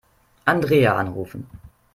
Andrea anrufen.